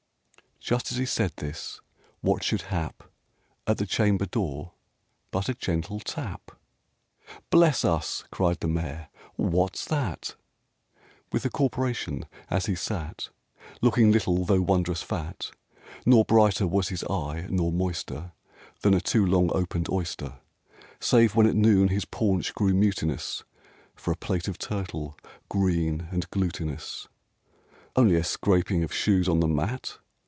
Just as he said this, what should hap At the chamber door but a gentle tap? "Bless us," cried the Mayor, "what's that?" (With the Corporation as he sat, Looking little though wondrous fat; Nor brighter was his eye, nor moist er Than a too long opened oyster, Save when at noon his paunch grew mutinous For a plate of turtle green and glutinous) "Only a scraping of shoes on the mat?